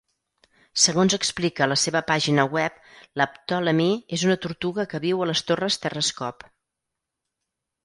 Segons explica la seva pàgina web, la Ptolemy és una tortuga que viu a les torres Terrascope.